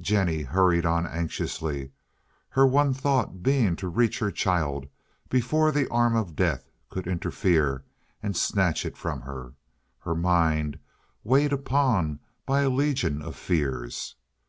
Jennie hurried on anxiously, her one thought being to reach her child before the arm of death could interfere and snatch it from her, her mind weighed upon by a legion of fears.